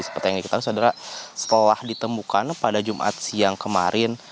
seperti yang kita tahu saudara setelah ditemukan pada jumat siang kemarin